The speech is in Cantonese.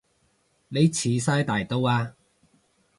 你遲哂大到啊